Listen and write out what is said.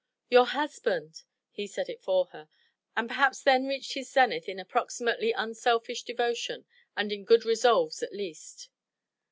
"Your husband!" He said it for her, and perhaps then reached his zenith in approximately unselfish devotion, and in good resolves at least.